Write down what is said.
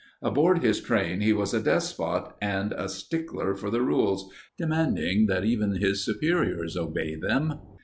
Aboard his train he was a despot and a stickler for the rules, demanding that even his superiors obey them.